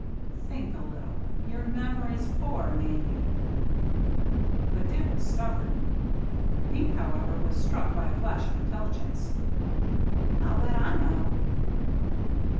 "Think a little. Your memory's poor, maybe." But Dick was stubborn. Pink, however, was struck by a flash of intelligence. " I'll bet I know."